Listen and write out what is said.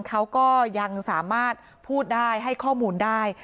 เขาก็ยังสามารถพูดได้ให้ข้อมูลได้